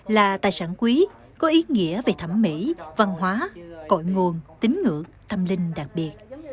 là tài sản quý có ý nghĩa về thẩm mỹ văn hóa cội nguồn tính ngưỡng tâm linh đặc biệt